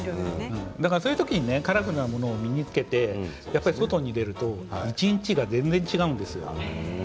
そういう時にカラフルなものを身に着けて外に出ると一日が全然違うんですよね。